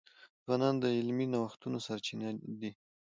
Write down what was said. ځوانان د علمي نوښتونو سرچینه دي.